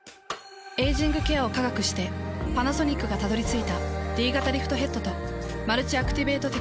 エイジングケアを科学してパナソニックがたどり着いたＤ型リフトヘッドとマルチアクティベートテクノロジー。